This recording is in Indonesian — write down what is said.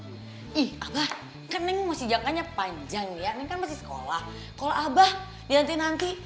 iya iya apa kan neng masih jangkanya panjang ya neng kan masih sekolah kalau abah nanti nanti